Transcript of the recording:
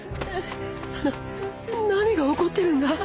な何が起こってるんだ！？